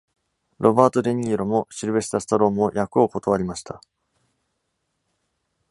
ロバート・デ・ニーロ （Robert De Niro） もシルヴェスター・スタローン （Sylvester Stallone） も役を断りました。